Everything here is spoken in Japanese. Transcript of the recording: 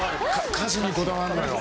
歌詞にこだわるのよ。